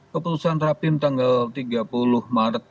keputusan rapim tanggal tiga puluh maret dua ribu dua puluh tiga